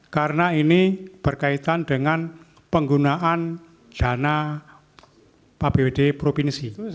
karena ini berkaitan dengan penggunaan dana pbwd provinsi